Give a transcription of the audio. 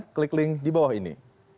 klik link di bawah ini